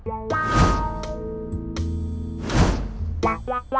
โอเค